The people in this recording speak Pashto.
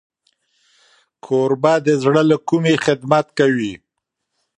کوربه د زړه له کومي خدمت کوي.